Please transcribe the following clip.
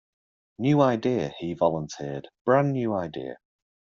New idea, he volunteered, brand new idea.